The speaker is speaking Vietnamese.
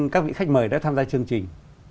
các vị khách mời đã tham gia chương trình